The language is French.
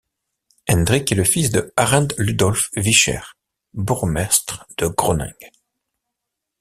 Hendrik est le fils de Arend Ludolf Wichers, bourgmestre de Groningue.